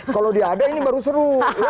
kalau dia ada ini baru seru